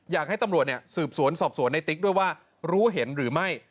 อยากให้ตำรวจสืบสวนสอบสวนในติ๊กด้วยว่ารู้เห็นหรือไม่